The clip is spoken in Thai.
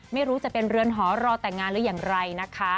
ไม่รู้จะเป็นเรือนหอรอแต่งงานหรืออย่างไรนะคะ